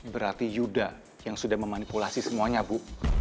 berarti yuda yang sudah memanipulasi semuanya bu